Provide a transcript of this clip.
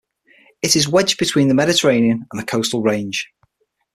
It is wedged between the Mediterranean and the coastal range.